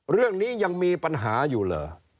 เรื่องนี้ยังมีปัญหาอยู่เหรอ